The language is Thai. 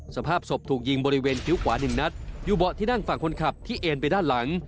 สภาพศพถูกยิงบริเวณคิ้วขวาหนึ่งนัดอยู่เบาะที่นั่งฝั่งคนขับที่เอ็นไปด้านหลัง